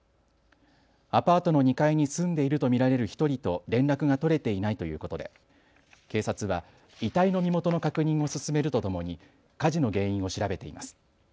アパートの２階に住んでいると見られる１人と連絡が取れていないということで警察は遺体の身元の確認を進めるとともに火事の原因を調べています。